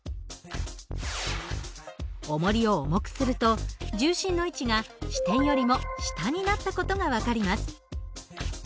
おもりを重くすると重心の位置が支点よりも下になった事が分かります。